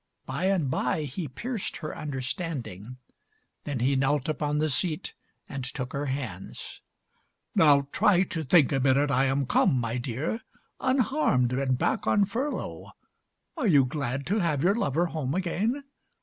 By and by He pierced her understanding. Then he knelt Upon the seat, and took her hands: "Now try To think a minute I am come, my Dear, Unharmed and back on furlough. Are you glad To have your lover home again?